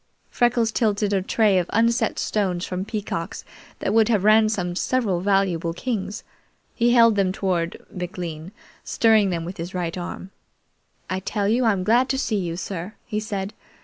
Freckles tilted a tray of unset stones from Peacock's that would have ransomed several valuable kings. He held them toward McLean, stirring them with his right arm. "I tell you I'm glad to see you, sir" he said.